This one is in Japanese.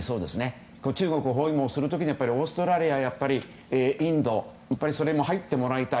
中国包囲網を形成する時にオーストラリアやインドそれも入ってもらいたい。